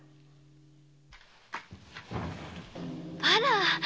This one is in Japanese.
あら？